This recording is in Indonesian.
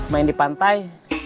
main di pantai